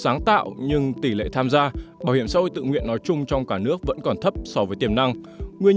nguyên nhân là do bảo hiểm xã hội tự nguyện nói chung trong cả nước vẫn còn thấp so với tiềm năng